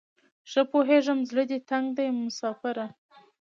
ښه پوهیږم زړه دې تنګ دی مساپره